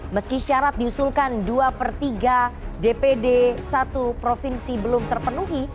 meski syarat diusulkan dua per tiga dpd satu provinsi belum terpenuhi